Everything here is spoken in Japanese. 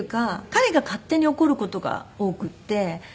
彼が勝手に怒る事が多くて。